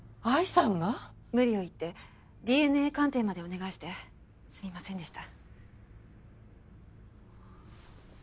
無理を言ってＤＮＡ鑑定までお願いしてすみませんでした。